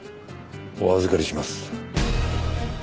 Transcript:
お預かりします。